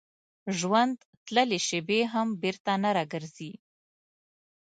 ژوند تللې شېبې هم بېرته نه راګرځي.